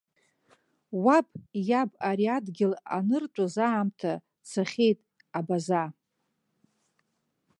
Уаб иаб ари адгьыл аныртәыз аамҭа цахьеит, абаза.